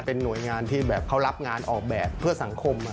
เป็นหน่วยงานที่แบบเขารับงานออกแบบเพื่อสังคม